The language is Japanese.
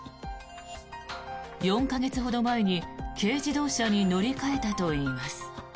４か月ほど前に軽自動車に乗り換えたといいます。